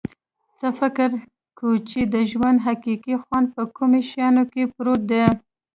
څه فکر کویچې د ژوند حقیقي خوند په کومو شیانو کې پروت ده